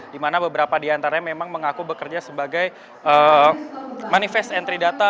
di mana beberapa di antaranya memang mengaku bekerja sebagai manifest entry data